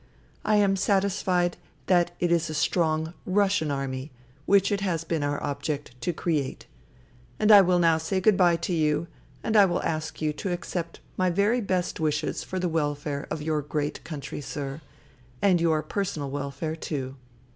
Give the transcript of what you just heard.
I am satisfied that it is a strong Russian Army, which it has been our object to create. And I will now say good bye to you, and I will ask you to accept my very best wishes for the welfare of your great country, sir, and your personal welfare, too.